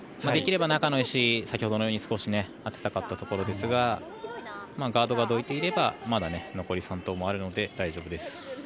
できれば中の石に先ほどのように少し当てたかったところですがガードがどいていればまだ残り３投もあるので大丈夫です。